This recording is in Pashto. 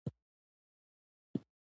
آیا شجره ساتل د پښتنو دود نه دی؟